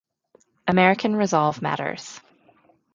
American resolve matters.